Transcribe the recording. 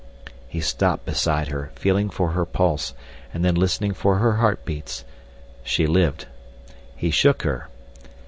He stopped beside her, feeling for her pulse and then listening for her heartbeats. She lived. He shook her.